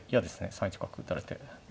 ３一角打たれて。